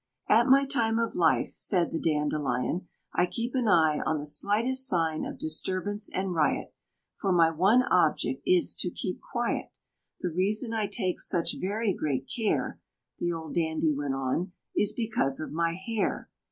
"At my time of life," said the Dandelion, "I keep an eye on The slightest sign of disturbance and riot, For my one object is to keep quiet The reason I take such very great care," The old Dandy went on, "is because of my hair.